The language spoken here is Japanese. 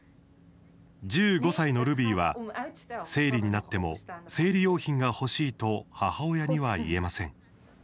１５歳のルビーは生理になっても生理用品が欲しいと母親には言えません。